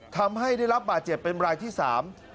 ทำให้ได้รับบาดเจ็บเป็นรายที่สาม